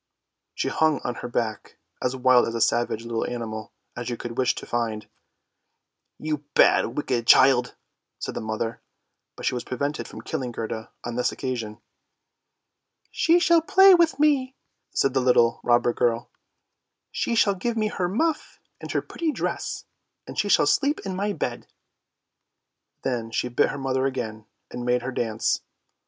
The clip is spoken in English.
She hung on her back, as wild and as savage a little animal as you could wish to find. " You bad, wicked child! " said the mother, but she was prevented from killing Gerda on this occasion. " She shall play with me," said the little robber girl; " she shall give me her muff, and her pretty dress, and she shall sleep in my bed." Then she bit her mother again and made her dance.